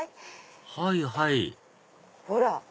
はいはいほら。